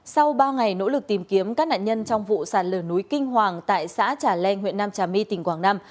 sau ba ngày nỗ lực tìm kiếm các nạn nhân trong vụ sản lửa núi kinh hoàng tại xã trà len huyện nam trà my tỉnh quảng nam